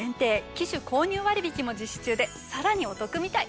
機種購入割引も実施中でさらにお得みたい。